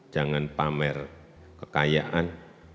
jangan pamer kekayaan